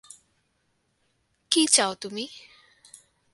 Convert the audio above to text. কী চাও তুমি?